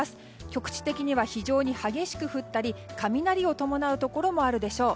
局地的には非常に激しく降ったり雷を伴うところもあるでしょう。